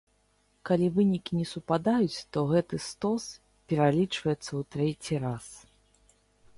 Калі вынікі не супадаюць, то гэты стос пералічваецца ў трэці раз.